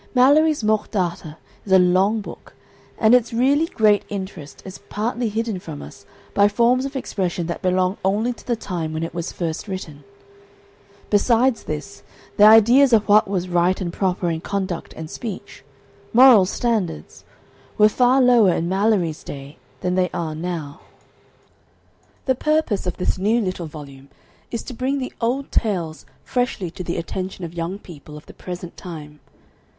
Malory's "Morte Darthur" is a long book, and its really great interest is partly hidden from us by forms of expression that belong only to the time when it was first written. Besides this, the ideas of what was right and proper in conduct and speech moral standards were far lower in Malory's day than they are now. The purpose of this new little volume is to bring the old tales freshly to the attention of young people of the present time.